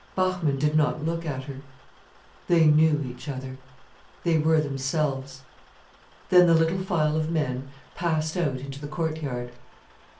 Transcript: Bachmann did not look at her. They knew each other. They were themselves. Then the little file of men passed out into the courtyard.